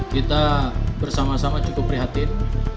kita bersama sama cukup prihatin